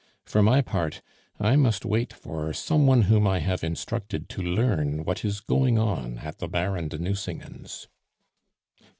For my part, I must wait for some one whom I have instructed to learn what is going on at the Baron de Nucingen's."